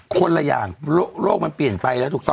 คนละอย่างโลกมันเปลี่ยนไปแล้วถูกต้อง